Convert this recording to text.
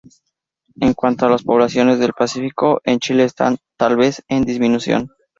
En cuanto a las poblaciones del Pacífico, en Chile están tal vez en disminución.